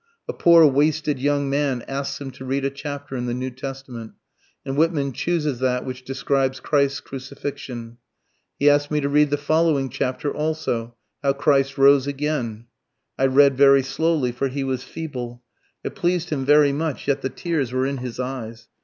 A poor wasted young man asks him to read a chapter in the New Testament, and Whitman chooses that which describes Christ's Crucifixion. He "ask'd me to read the following chapter also, how Christ rose again. I read very slowly, for he was feeble. It pleased him very much, yet the tears were in his eyes.